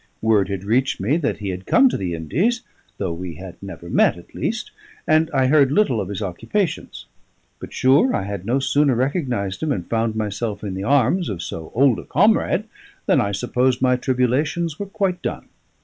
Word had reached me that he was come to the Indies, though we had never met at least, and I heard little of his occupations. But, sure, I had no sooner recognised him, and found myself in the arms of so old a comrade, than I supposed my tribulations were quite done.